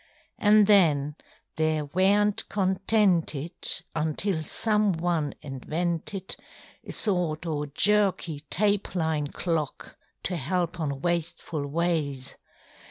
AnŌĆÖ then they werŌĆÖnŌĆÖt contented until some one invented A sort oŌĆÖ jerky tape line clock, to help on wasteful ways.